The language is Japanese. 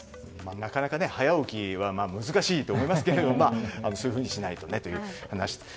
なかなか早起きは難しいと思いますけどそういうふうにしないとねという話です。